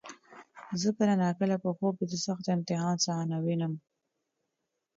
زه کله ناکله په خوب کې د سخت امتحان صحنه وینم.